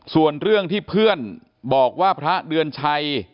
ส่วนเรื่องที่เพื่อนบอกว่าพระเดือนชัย